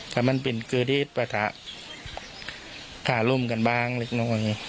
แต่มันเป็นเกษตรประถะขาลมกันบ้างไรก็โน้น